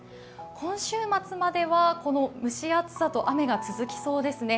今週末まではこの蒸し暑さと雨が続きそうですね。